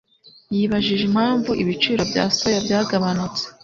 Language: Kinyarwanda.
yibajije impamvu ibiciro bya soya byagabanutse.